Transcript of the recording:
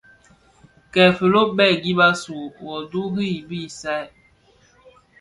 Kè filo bè gib a su wuduri i bisal.